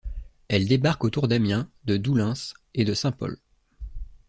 Elles débarquent autour d'Amiens, de Doullens et de Saint-Pol.